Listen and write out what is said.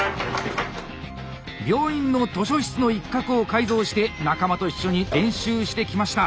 病院の図書室の一角を改造して仲間と一緒に練習してきました。